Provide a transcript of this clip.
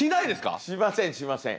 しませんしません。